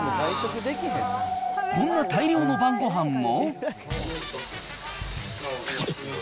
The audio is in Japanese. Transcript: こんな大量の晩ごはんも。